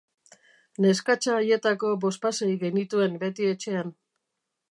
Neskatxa haietako bospasei genituen beti etxean.